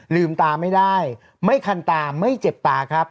ลืมตาไม่ได้ไม่คันตาไม่เจ็บตาครับ